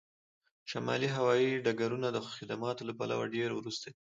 شمالي هوایی ډګرونه د خدماتو له پلوه ډیر وروسته دي